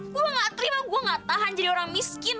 gue yang ngga terima gue yang ngga tahan jadi orang miskin